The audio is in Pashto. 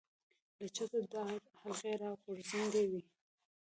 له چته د دار حلقې را ځوړندې وې.